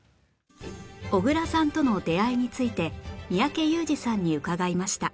小倉さんとの出会いについて三宅裕司さんに伺いました